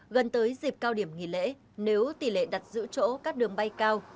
gần tới dịp cao điểm nghỉ lễ nếu tỷ lệ đặt giữ chỗ các đường bay cao